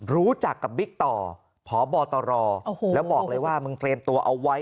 รู้จักกับบิ๊กต่อพบตรแล้วบอกเลยว่ามึงเตรียมตัวเอาไว้